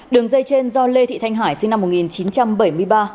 đường dây trên do lê thị thanh hải sinh năm một nghìn chín trăm bảy mươi ba